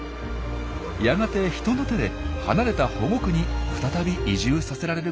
やがて人の手で離れた保護区に再び移住させられることになったんです。